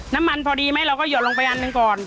น้ำมันพอดีไหมเราก็หยดลงไปอันนึงก่อน